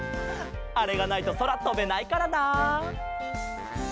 あれがないとそらとべないからな。